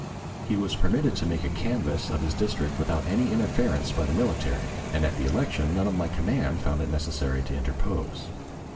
He was permitted to make a canvass of his district without any interference by the military, and at the election none of my command found it necessary to interpose.